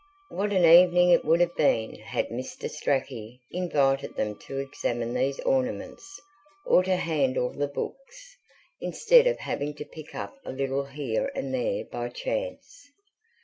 What an evening it would have been had Mr. Strachey invited them to examine these ornaments, or to handle the books, instead of having to pick up a title here and there by chance.